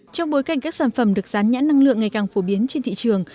trong bối cảnh các sản phẩm được gián nhãn năng lượng ngày càng phổ biến trên thị trường